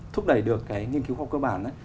thúc đẩy được cái nghiên cứu khoa học cơ bản ấy